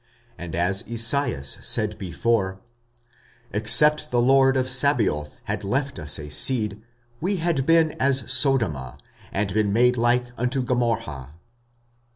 45:009:029 And as Esaias said before, Except the Lord of Sabaoth had left us a seed, we had been as Sodoma, and been made like unto Gomorrha.